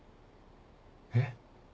えっ？